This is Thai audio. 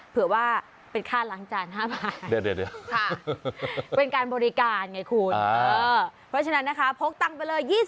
เผื่อว่าเป็นค่าล้างจาน๕บาทเป็นการบริการไงคุณเพราะฉะนั้นนะคะพกตังค์ไปเลย